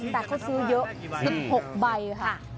แต่เขาซื้อเยอะ๑๖ใบค่ะ